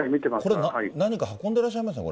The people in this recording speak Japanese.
これ何か運んでらっしゃいますね。